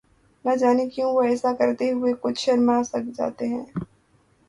نہ جانے کیوں وہ ایسا کرتے ہوئے کچھ شرماسا جاتے ہیں